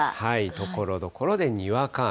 ところどころでにわか雨。